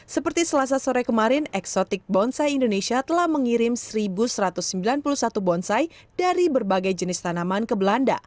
seperti selasa sore kemarin eksotik bonsai indonesia telah mengirim satu satu ratus sembilan puluh satu bonsai dari berbagai jenis tanaman ke belanda